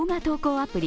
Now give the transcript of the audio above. アプリ